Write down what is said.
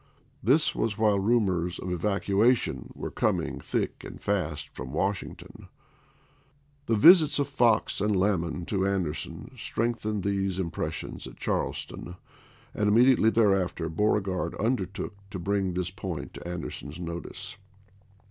This was while rumors of evac uation were coming thick and fast from Washing ton. The visits of Fox and Lamon to Anderson THE SUMTER EXPEDITION 21 strengthened these impressions at Charleston, and chap. ii. immediately thereafter Beauregard undertook to bring the point to Anderson's notice.